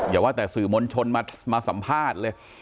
อย่าว่าแต่สื่อมวลชนมาสัมภาษณ์เลย